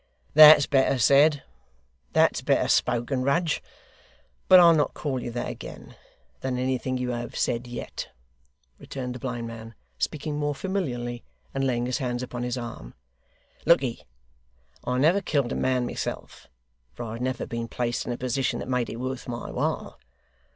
'That's better said. That's better spoken, Rudge but I'll not call you that again than anything you have said yet,' returned the blind man, speaking more familiarly, and laying his hands upon his arm. 'Lookye, I never killed a man myself, for I have never been placed in a position that made it worth my while.